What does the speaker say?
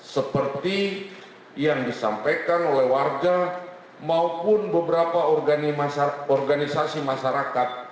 seperti yang disampaikan oleh warga maupun beberapa organisasi masyarakat